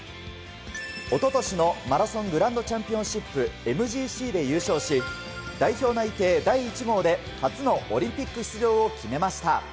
一昨年のマラソングランドチャンピオンシップ・ＭＧＣで優勝し、代表内定第１号で初のオリンピック出場を決めました。